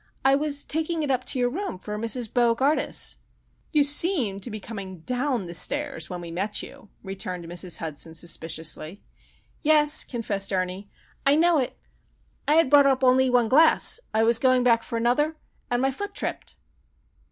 I was taking it up to your room for Mrs. Bo gardus." "You seemed to be coming down the stairs when we met you," returned Mrs. Hudson, suspiciously. "Yes," confessed Ernie. "I know it. I had brought up only one glass. I was going back for another, and my foot tripped."